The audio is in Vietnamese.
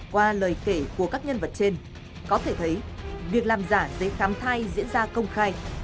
qua lời kể của các nhân vật trên có thể thấy việc làm giả giấy khám thai diễn ra công khai